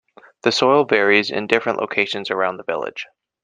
The soil varies in different locations around the village.